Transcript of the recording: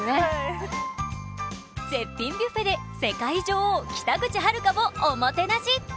絶品ビュッフェで世界女王・北口榛花をおもてなし。